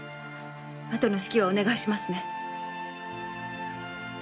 あとの指揮はお願いしますね